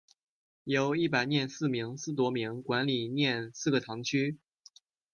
由一百廿四名司铎名管理廿四个堂区。